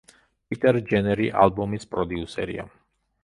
პიტერ ჯენერი ალბომის პროდიუსერია.